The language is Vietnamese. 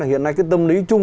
hiện nay cái tâm lý chung